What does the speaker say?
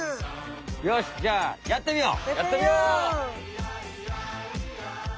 よしじゃあやってみよう！